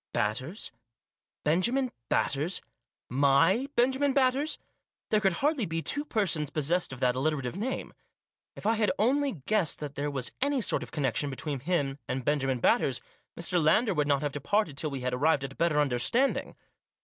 Batters? Benjamin Batters ? My Benjamin Batters? There could hardly be two persons possessed of that alliterative name. If I had only guessed that there was any sort of connection between him and Benjamin Batters, Mr. Lander would not have departed till we had arrived at a better understanding.